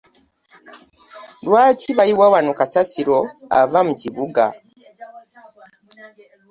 Lwaki bayiwa wano kasasiro ava mu kibuga?